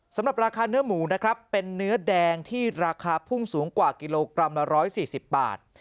สำหรับราคาเนื้อหมูนะครับเป็นเนื้อแดงที่ราคาพุ่งสูงกว่ากิโลกรัมละ๑๔๐บาท